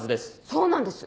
そうなんです。